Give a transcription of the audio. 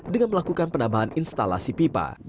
dengan melakukan penambahan instalasi pipa